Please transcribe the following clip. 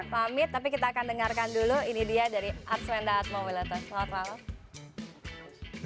pamit tapi kita akan dengarkan dulu ini dia dari arswenda atmowiloto selamat malam